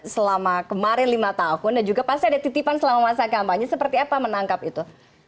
selama kemarin lima tahun dan juga pasti ada titipan selama masa kampanye seperti apa menangkap itu